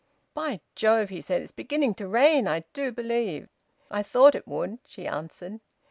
"By Jove!" he said. "It's beginning to rain, I do believe." "I thought it would," she answered.